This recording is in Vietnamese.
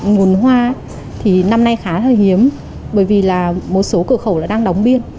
nguồn hoa thì năm nay khá là hiếm bởi vì là một số cửa khẩu là đang đóng biên